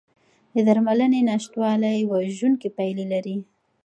د درملنې نشتوالی وژونکي پایلې لري.